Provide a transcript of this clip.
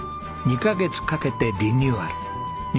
２カ月かけてリニューアル。